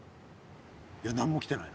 いや何もきてないな。